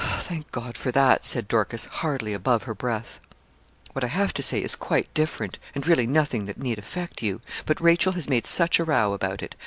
'Thank God for that!' said Dorcas, hardly above her breath. 'What I have to say is quite different, and really nothing that need affect you; but Rachel has made such a row about it.